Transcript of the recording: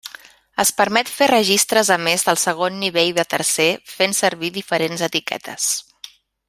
Es permet fer registres a més del segon nivell de tercer fent servir diferents etiquetes.